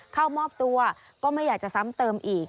เข้ามอบตัวก็ไม่อยากจะซ้ำเติมอีก